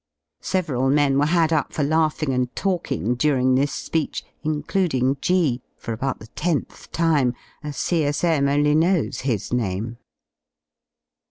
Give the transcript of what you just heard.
Several men were had up for laughing and talking during this speech, including G for about the tenth time, as C.S.M. only knows his name.